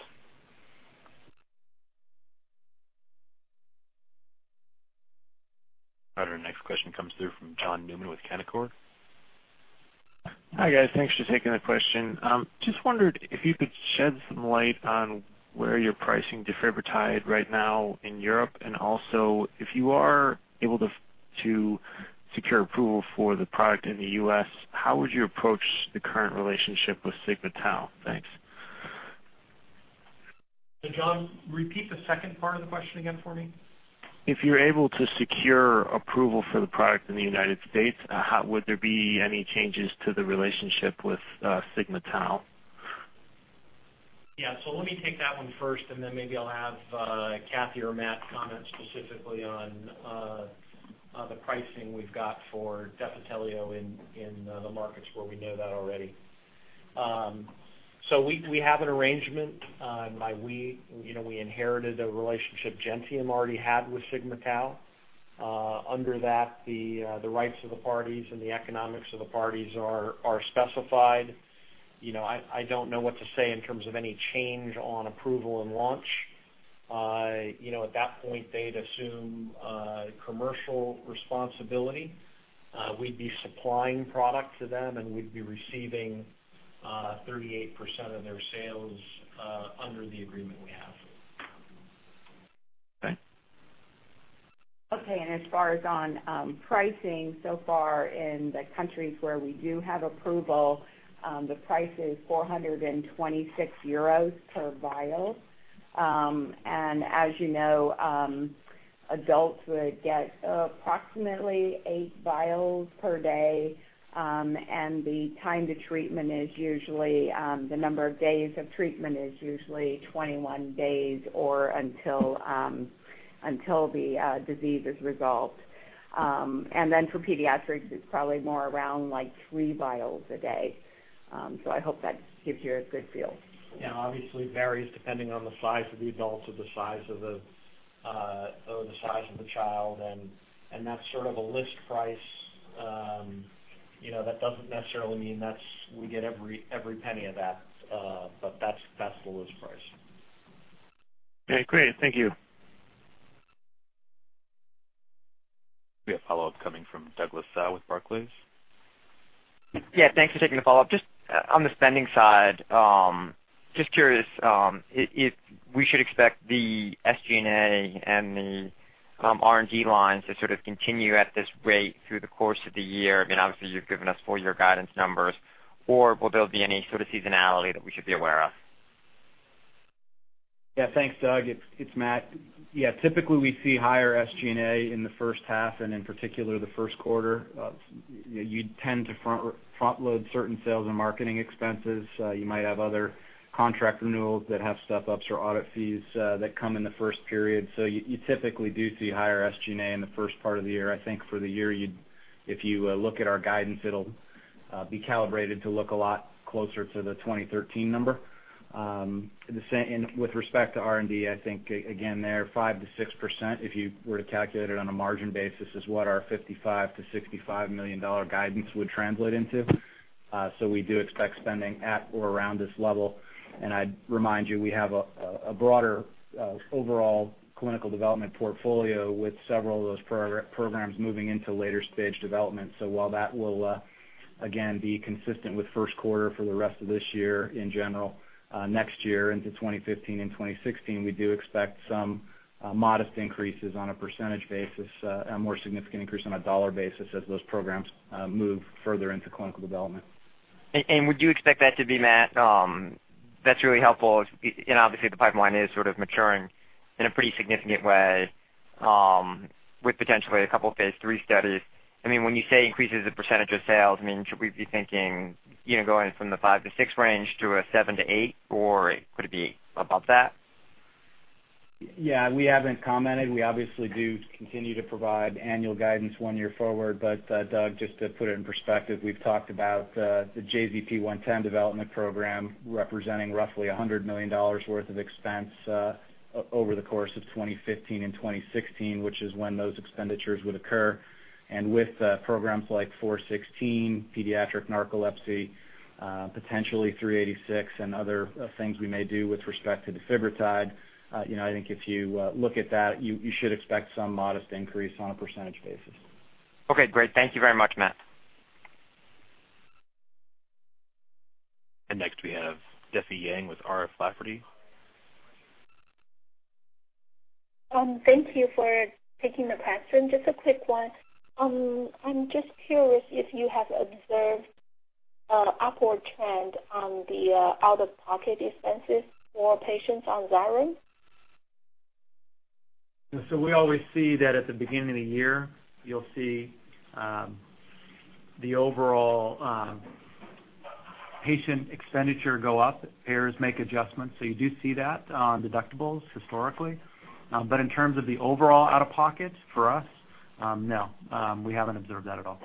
All right, our next question comes through from John Newman with Canaccord. Hi, guys. Thanks for taking the question. Just wondered if you could shed some light on where you're pricing defibrotide right now in Europe. Also, if you are able to secure approval for the product in the U.S., how would you approach the current relationship with Sigma-Tau? Thanks. John, repeat the second part of the question again for me. If you're able to secure approval for the product in the United States, would there be any changes to the relationship with Sigma-Tau? Yeah. Let me take that one first, and then maybe I'll have Kathee or Matt comment specifically on the pricing we've got for Defitelio in the markets where we know that already. We have an arrangement. By we, you know, we inherited a relationship Gentium already had with Sigma-Tau. Under that, the rights of the parties and the economics of the parties are specified. You know, I don't know what to say in terms of any change on approval and launch. You know, at that point, they'd assume commercial responsibility. We'd be supplying product to them, and we'd be receiving 38% of their sales under the agreement we have. Okay. Okay. As far as pricing, so far in the countries where we do have approval, the price is 426 euros per vial. As you know, adults would get approximately eight vials per day, and the number of days of treatment is usually 21 days or until the disease is resolved. For pediatrics, it's probably more around, like, three vials a day. I hope that gives you a good feel. Yeah, obviously varies depending on the size of the adults or the size of the child. That's sort of a list price. You know, that doesn't necessarily mean that we get every penny of that, but that's the list price. Okay, great. Thank you. We have a follow-up coming from Douglas Tsao with Barclays. Yeah, thanks for taking the follow-up. Just on the spending side, just curious, if we should expect the SG&A and the R&D lines to sort of continue at this rate through the course of the year. I mean, obviously, you've given us full year guidance numbers. Will there be any sort of seasonality that we should be aware of? Thanks, Doug. It's Matt. Typically we see higher SG&A in the first half, and in particular, the first quarter. You tend to front-load certain sales and marketing expenses. You might have other contract renewals that have step-ups or audit fees that come in the first period. You typically do see higher SG&A in the first part of the year. I think for the year, you'd if you look at our guidance, it'll be calibrated to look a lot closer to the 2013 number. The same with respect to R&D, I think again, they're 5%-6%, if you were to calculate it on a margin basis, is what our $55 million-$65 million guidance would translate into. So we do expect spending at or around this level. I'd remind you, we have a broader overall clinical development portfolio with several of those programs moving into later stage development. While that will again be consistent with first quarter for the rest of this year in general, next year into 2015 and 2016, we do expect some modest increases on a percentage basis, a more significant increase on a dollar basis as those programs move further into clinical development. Would you expect that to be, Matt? That's really helpful. Obviously the pipeline is sort of maturing in a pretty significant way, with potentially a couple of Phase III studies. I mean, when you say increases the percentage of sales, I mean, should we be thinking, you know, going from the 5%-6% range to a 7%-8%, or could it be above that? Yeah, we haven't commented. We obviously do continue to provide annual guidance one year forward. Doug, just to put it in perspective, we've talked about the JZP-110 development program representing roughly $100 million worth of expense over the course of 2015 and 2016, which is when those expenditures would occur. With programs like JZP-416, pediatric narcolepsy, potentially JZP-386 and other things we may do with respect to defibrotide, you know, I think if you look at that, you should expect some modest increase on a percentage basis. Okay, great. Thank you very much, Matt. Next, we have Difei Yang with R.F. Lafferty. Thank you for taking the question. Just a quick one. I'm just curious if you have observed an upward trend on the out-of-pocket expenses for patients on Xyrem? We always see that at the beginning of the year, you'll see the overall patient expenditure go up. Payers make adjustments. You do see that on deductibles historically. In terms of the overall out-of-pocket for us, no, we haven't observed that at all.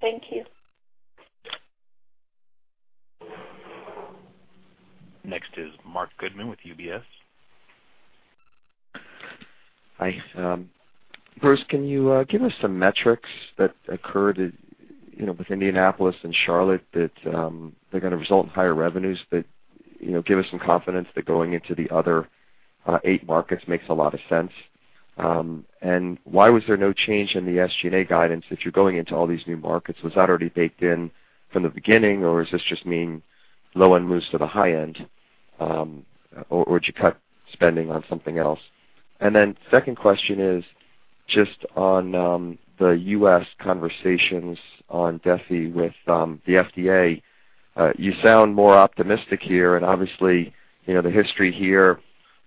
Thank you. Next is Marc Goodman with UBS. Hi. First, can you give us some metrics that occurred, you know, with Indianapolis and Charlotte that they're gonna result in higher revenues that, you know, give us some confidence that going into the other eight markets makes a lot of sense? Why was there no change in the SG&A guidance if you're going into all these new markets? Was that already baked in from the beginning, or does this just mean low end moves to the high end, or did you cut spending on something else? Second question is just on the U.S. conversations on Defitelio with the FDA. You sound more optimistic here, and obviously, you know, the history here.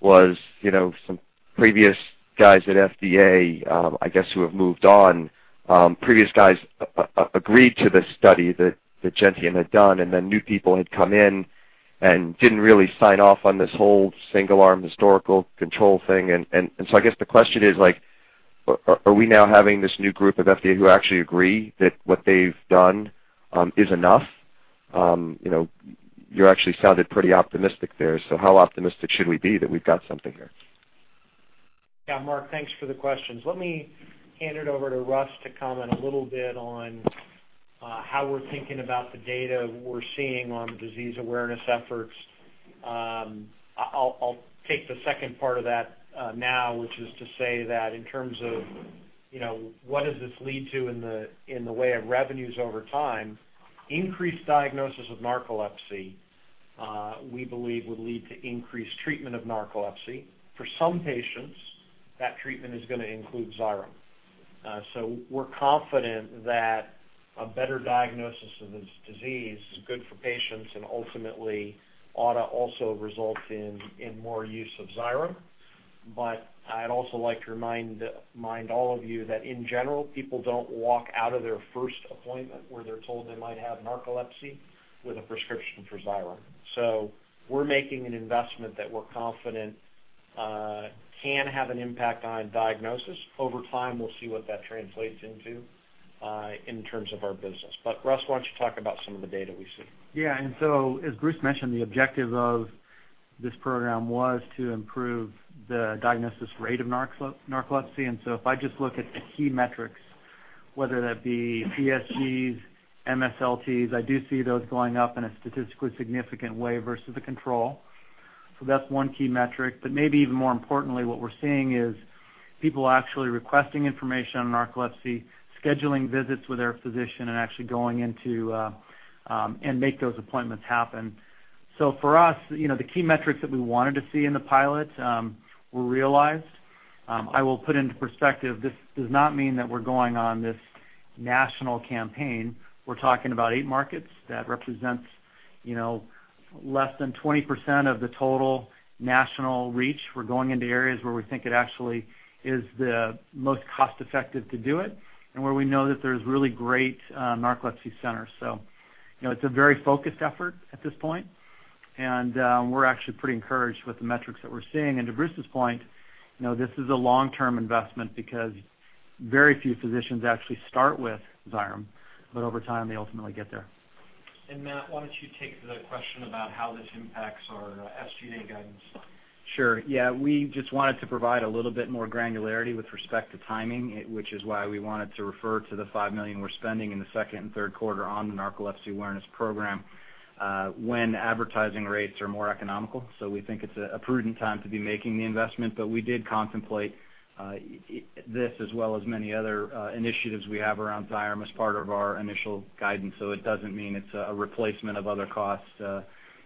As you know, some previous guys at FDA, I guess, who have moved on, previous guys agreed to this study that Gentium had done, and then new people had come in and didn't really sign off on this whole single-arm historical control thing. I guess the question is, like, are we now having this new group at FDA who actually agree that what they've done is enough? You know, you actually sounded pretty optimistic there. How optimistic should we be that we've got something here? Yeah, Marc, thanks for the questions. Let me hand it over to Russ to comment a little bit on how we're thinking about the data we're seeing on the disease awareness efforts. I'll take the second part of that now, which is to say that in terms of, you know, what does this lead to in the way of revenues over time, increased diagnosis of narcolepsy, we believe would lead to increased treatment of narcolepsy. For some patients, that treatment is gonna include Xyrem. We're confident that a better diagnosis of this disease is good for patients and ultimately ought to also result in more use of Xyrem. I'd also like to remind all of you that in general, people don't walk out of their first appointment where they're told they might have narcolepsy with a prescription for Xyrem. We're making an investment that we're confident can have an impact on diagnosis. Over time, we'll see what that translates into in terms of our business. Russ, why don't you talk about some of the data we see? Yeah. As Bruce mentioned, the objective of this program was to improve the diagnosis rate of narcolepsy. If I just look at the key metrics, whether that be PSGs, MSLTs, I do see those going up in a statistically significant way versus the control. That's one key metric. Maybe even more importantly, what we're seeing is people actually requesting information on narcolepsy, scheduling visits with their physician, and actually going into, and make those appointments happen. For us, you know, the key metrics that we wanted to see in the pilot were realized. I will put into perspective. This does not mean that we're going on this national campaign. We're talking about 8 markets. That represents, you know, less than 20% of the total national reach. We're going into areas where we think it actually is the most cost-effective to do it and where we know that there's really great narcolepsy centers. You know, it's a very focused effort at this point, and we're actually pretty encouraged with the metrics that we're seeing. To Bruce's point, you know, this is a long-term investment because very few physicians actually start with Xyrem, but over time, they ultimately get there. Matt, why don't you take the question about how this impacts our SG&A guidance? Sure. Yeah, we just wanted to provide a little bit more granularity with respect to timing, which is why we wanted to refer to the $5 million we're spending in the second and third quarter on the narcolepsy awareness program, when advertising rates are more economical. We think it's a prudent time to be making the investment. We did contemplate this as well as many other initiatives we have around Xyrem as part of our initial guidance. It doesn't mean it's a replacement of other costs.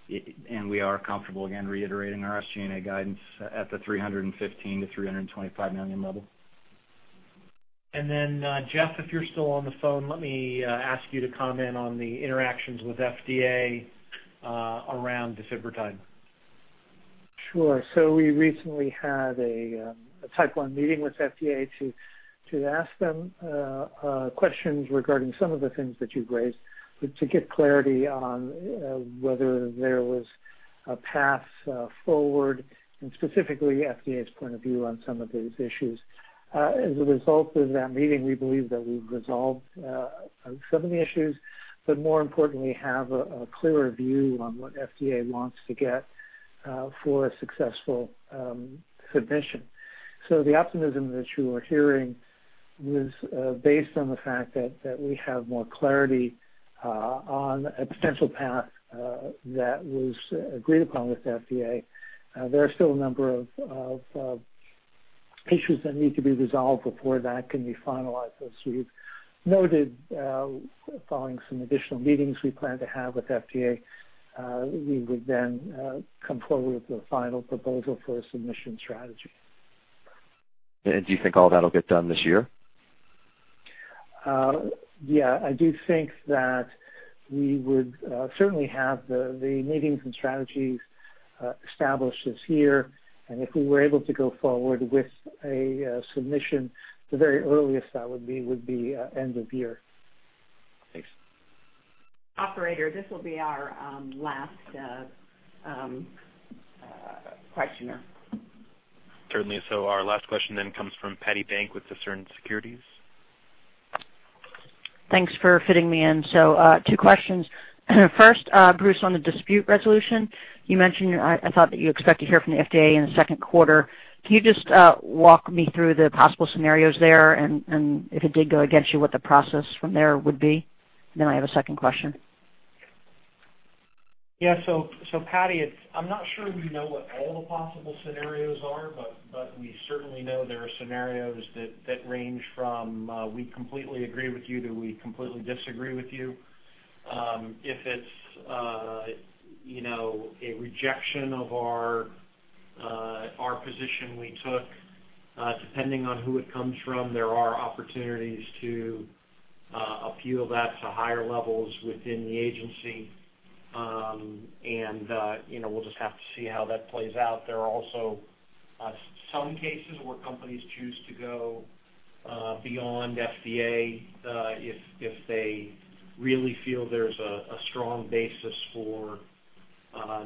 We are comfortable, again, reiterating our SG&A guidance at the $315 million-$325 million level. Jeff, if you're still on the phone, let me ask you to comment on the interactions with FDA around defibrotide. Sure. We recently had a Type One meeting with FDA to ask them questions regarding some of the things that you've raised to get clarity on whether there was a path forward and specifically FDA's point of view on some of these issues. As a result of that meeting, we believe that we've resolved some of the issues, but more importantly, have a clearer view on what FDA wants to get for a successful submission. The optimism that you are hearing was based on the fact that we have more clarity on a potential path that was agreed upon with the FDA. There are still a number of issues that need to be resolved before that can be finalized. As we've noted, following some additional meetings we plan to have with FDA, we would then come forward with a final proposal for a submission strategy. Do you think all that'll get done this year? Yeah. I do think that we would certainly have the meetings and strategies established this year. If we were able to go forward with a submission, the very earliest that would be would be end of year. Thanks. Operator, this will be our last questioner. Certainly. Our last question then comes from Patti Bank with Discern Securities. Thanks for fitting me in. Two questions. First, Bruce, on the dispute resolution, you mentioned, I thought that you expect to hear from the FDA in the second quarter. Can you just walk me through the possible scenarios there, and if it did go against you, what the process from there would be? I have a second question. Yeah. Patti, it's. I'm not sure we know what all the possible scenarios are, but we certainly know there are scenarios that range from we completely agree with you to we completely disagree with you. If it's you know, a rejection of our our position we took, depending on who it comes from, there are opportunities to appeal that to higher levels within the agency. And you know, we'll just have to see how that plays out. There are also some cases where companies choose to go beyond FDA, if they really feel there's a strong basis for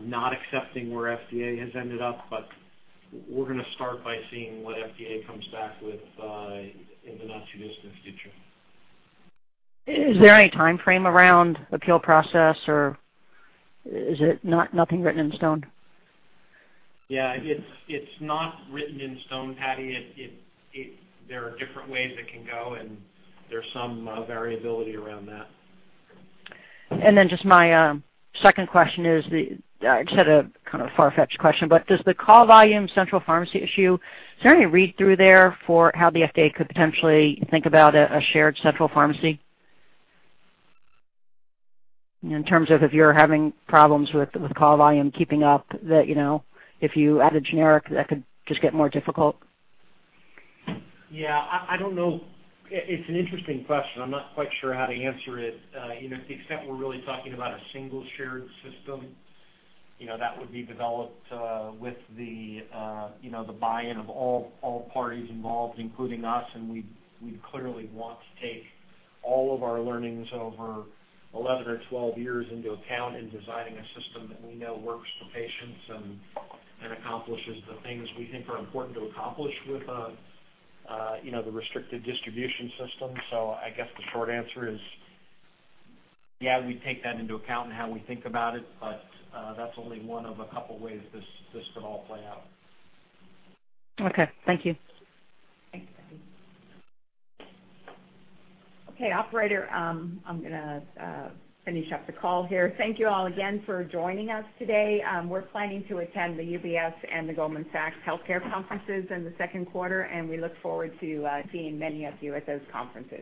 not accepting where FDA has ended up. But we're gonna start by seeing what FDA comes back with in the not-too-distant future. Is there any timeframe around appeal process, or is it not nothing written in stone? Yeah, it's not written in stone, Patti. There are different ways it can go, and there's some variability around that. Just my second question is. It's kind of far-fetched question, but does the call volume central pharmacy issue, is there any read-through there for how the FDA could potentially think about a shared central pharmacy? In terms of if you're having problems with call volume keeping up that, you know, if you add a generic, that could just get more difficult. Yeah, I don't know. It's an interesting question. I'm not quite sure how to answer it. You know, to the extent we're really talking about a single shared system, you know, that would be developed with the, you know, the buy-in of all parties involved, including us. We clearly want to take all of our learnings over 11 or 12 years into account in designing a system that we know works for patients and accomplishes the things we think are important to accomplish with, you know, the restricted distribution system. I guess the short answer is, yeah, we take that into account in how we think about it, but that's only one of a couple of ways this could all play out. Okay. Thank you. Thank you, Patti. Operator, I'm gonna finish up the call here. Thank you all again for joining us today. We're planning to attend the UBS and the Goldman Sachs Healthcare Conferences in the second quarter, and we look forward to seeing many of you at those conferences.